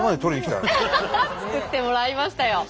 作ってもらいましたよ。